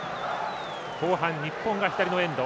後半、日本が左のエンド。